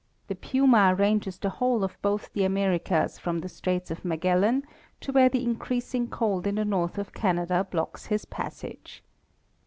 The puma ranges the whole of both the Americas from the Straits of Magellan to where the increasing cold in the north of Canada blocks his passage.